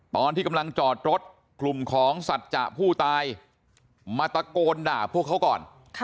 ตอนที่กำลังจอดรถกลุ่มของสัจจะผู้ตายมาตะโกนด่าพวกเขาก่อน